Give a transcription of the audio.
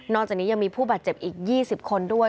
จากนี้ยังมีผู้บาดเจ็บอีก๒๐คนด้วย